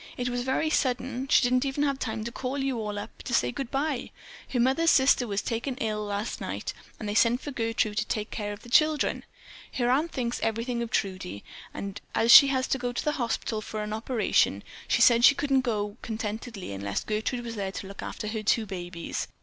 It was very sudden; she didn't have time even to call you all up to say good bye. Her mother's sister was taken very ill last night and they sent for Gertrude to take care of the children. Her aunt thinks everything of Trudie, and as she has to go to the hospital for an operation, she said she just couldn't go contentedly unless Gertrude was there to look after her two babies.